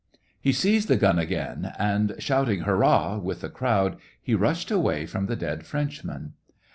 He seized the gun again, and, shout ing •' Hurrah !" with the crowd, he rushed away from the dead Frenchman.